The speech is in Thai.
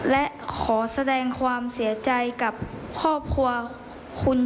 และขอแสดงความเสียใจกับพ่อพ่อคุณจ่าอย่างสุขใจและขอกลาบขอบพระคุณ